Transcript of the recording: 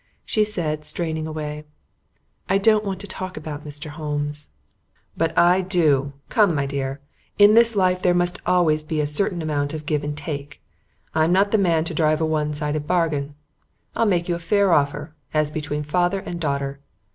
She said, straining away: "I don't want to talk about Mr. Holmes." "But I do. Come, my dear. In this life there must be always a certain amount of give and take. I'm not the man to drive a one sided bargain. I'll make you a fair offer as between father and daughter.